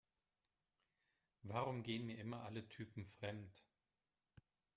Warum gehen mir immer alle Typen fremd?